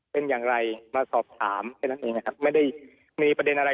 เป็นอย่างไรมาสอบถามไม่ได้มีประเด็นอะไร